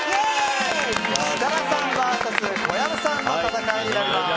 設楽さんＶＳ小籔さんの戦いになります。